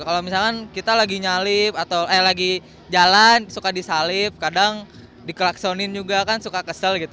kalau misalkan kita lagi jalan suka disalip kadang dikelaksonin juga kan suka kesel gitu